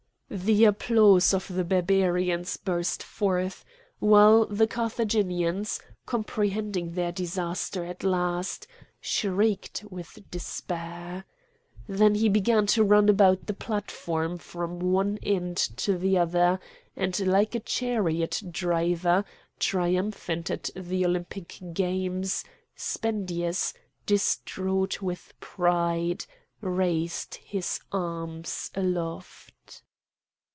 The applause of the Barbarians burst forth, while the Carthaginians, comprehending their disaster at last, shrieked with despair. Then he began to run about the platform from one end to the other,—and like a chariot driver triumphant at the Olympic Games, Spendius, distraught with pride, raised his arms aloft.